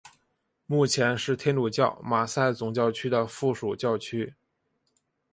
目前是天主教马赛总教区的附属教区。